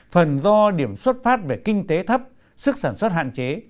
phần do điểm xuất phát về kinh tế thấp sức sản xuất hạn chế